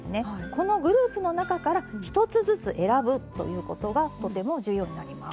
このグループの中から１つずつ選ぶということがとても重要になります。